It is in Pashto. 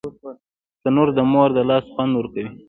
تنور د مور د لاس خوند ورکوي